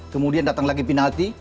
kemudian datang lagi penalti